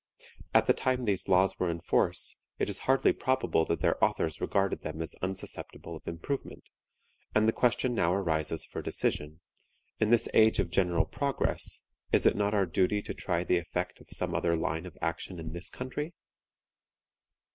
At the time these laws were in force, it is hardly probable that their authors regarded them as unsusceptible of improvement; and the question now arises for decision, in this age of general progress, is it not our duty to try the effect of some other line of action in this country?